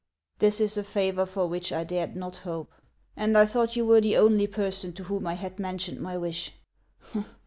" This is a favor for which I dared not hope, and I thought you were the only person to whom I had men tioned my wish.